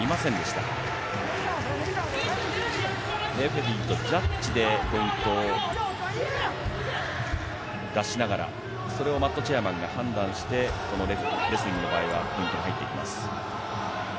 レフェリーとジャッジでポイントを出しながら、それをマットチェアマンが判断をしてレスリングの場合は入っていきます。